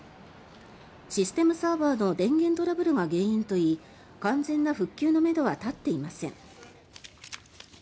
システムサーバーの電源トラブルが原因といい完全な復旧のめどは立っていません。